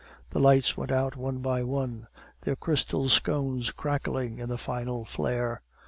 The lights went out one by one, their crystal sconces cracking in the final flare.